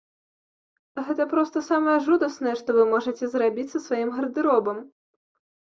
Гэта проста самае жудаснае, што вы можаце зрабіць са сваім гардэробам.